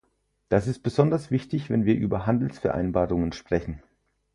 Das ist besonders wichtig, wenn wir über Handelsvereinbarungen sprechen.